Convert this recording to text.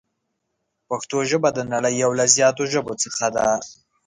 پښتو ژبه د نړۍ یو له زیاتو ژبو څخه ده.